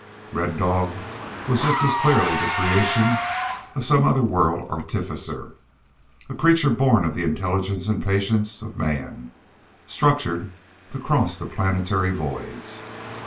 Red Dog was just as clearly the creation of some other world artificer, a creature born of the intelligence and patience of man, structured to cross the planetary voids.